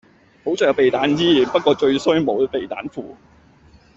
好在有避彈衣，不過最衰冇避彈褲